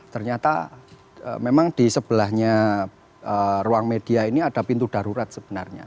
ternyata memang di sebelahnya ruang media ini ada pintu darurat sebenarnya